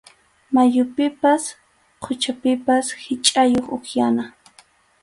Mayupipas quchapipas hichʼakuq upyana.